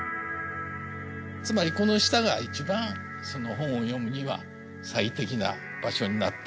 つまりこの下が一番本を読むには最適な場所になっている。